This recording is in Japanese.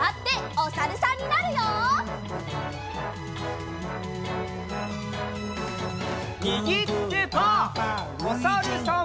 おさるさん。